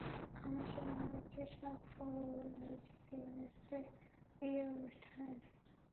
আমি সে মানুষ যে সব ফুল গুলো মেরেছে লিভেনস্টিনদের বিয়ের অনুষ্ঠানের।